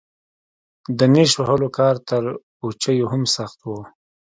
د نېش وهلو کار تر پوجيو هم سخت و.